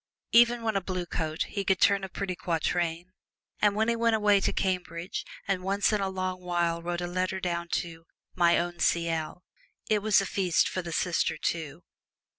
Even when a Blue Coat he could turn a pretty quatrain, and when he went away to Cambridge and once in a long while wrote a letter down to "My Own C.L.," it was a feast for the sister, too.